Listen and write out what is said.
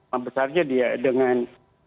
membesarnya dia dengan